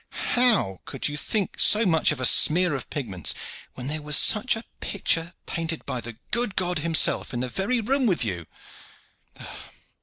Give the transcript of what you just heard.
How could you think so much of a smear of pigments, when there was such a picture painted by the good God himself in the very room with you?